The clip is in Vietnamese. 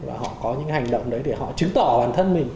và họ có những hành động đấy để họ chứng tỏ bản thân mình